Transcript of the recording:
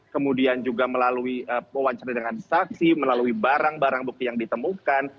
kemudian juga melalui wawancara dengan saksi melalui barang barang bukti yang ditemukan